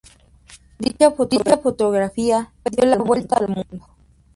Dicha fotografía dio la vuelta al mundo.